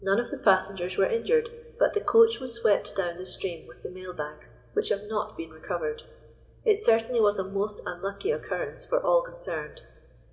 None of the passengers were injured, but the coach was swept down the stream with the mail bags, which have not been recovered. It certainly was a most unlucky occurrence, for all concerned.